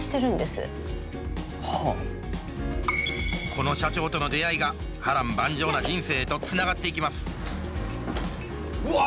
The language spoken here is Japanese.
この社長との出会いが波乱万丈な人生へとつながっていきますうわ！